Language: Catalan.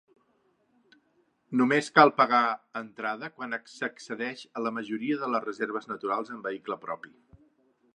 Només cal pagar entrada quan s'accedeix a la majoria de les reserves naturals amb vehicle propi.